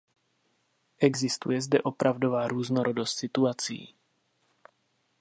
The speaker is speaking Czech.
Existuje zde opravdová různorodost situací.